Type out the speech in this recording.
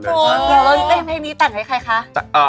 แล้วเล่นเพลงนี้ตัดให้ใครคะ